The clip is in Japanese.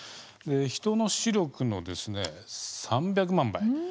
人の視力の３００万倍。